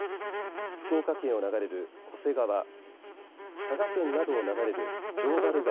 福岡県を流れる巨瀬川佐賀県などを流れる城原川